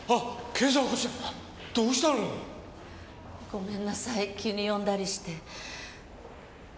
ごめんなさい急に呼んだりして。